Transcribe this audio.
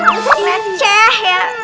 ini receh ya